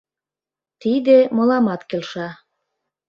— Тиде мыламат келша.